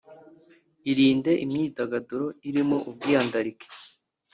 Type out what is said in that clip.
Irinde imyidagaduro irimo ubwiyandarike